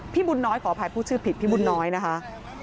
บุญน้อยขออภัยพูดชื่อผิดพี่บุญน้อยนะคะ